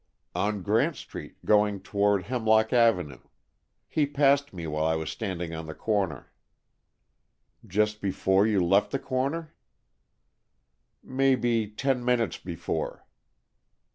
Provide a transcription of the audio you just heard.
"On Grant Street, going toward Hemlock Avenue. He passed me while I was standing on the corner." "Just before you left the corner?" "May be ten minutes before."